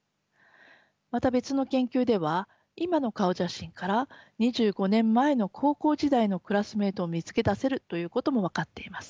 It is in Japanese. また別の研究では今の顔写真から２５年前の高校時代のクラスメートを見つけ出せるということも分かっています。